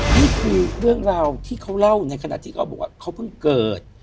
นี่คือเรื่องราวที่เขาเล่าในขณะที่เขาบอกว่าเขาเพิ่งเกิด